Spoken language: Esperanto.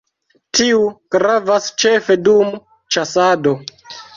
Tiu gravas ĉefe dum ĉasado.